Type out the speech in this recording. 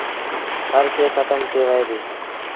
هر شئي کتم ٿئي وهي ديٚ